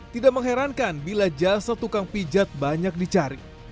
tidak mengherankan bila jasa tukang pijat banyak dicari